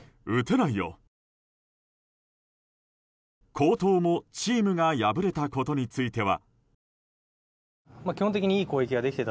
好投も、チームが敗れたことについては。